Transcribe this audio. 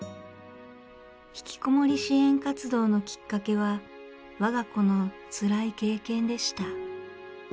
ひきこもり支援活動のきっかけは我が子のつらい経験でした。